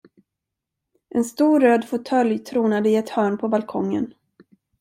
En stor, röd fåtölj tronade i ett hörn på balkongen.